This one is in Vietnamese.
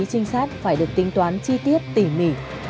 đồng chí trinh sát phải được tính toán chi tiết tỉ mỉ